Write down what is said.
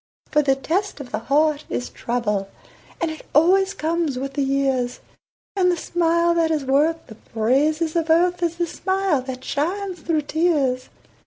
For the test of the heart is trouble, And it always comes with the years, And the smile that is worth the praises of earth Is the smile that shines through tears.